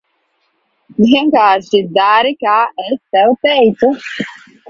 Vienkārši dari, kā es tev teicu.